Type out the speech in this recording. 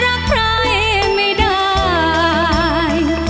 รักฉันแล้วรักใครไม่ได้